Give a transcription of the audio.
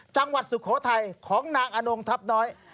จังหวัดสุโขทัยของนางอานงทัพน้อย